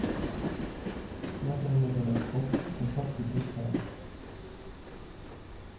L’intérieur de la grotte comporte deux salles.